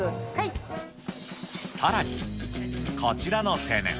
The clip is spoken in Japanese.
さらに、こちらの青年。